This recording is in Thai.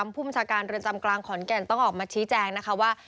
ผู้บัญชาการเรือนจำกลางขอนแก่นต้องออกมาชี้แจงนะคะว่า